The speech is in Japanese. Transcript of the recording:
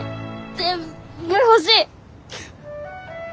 全部欲しい。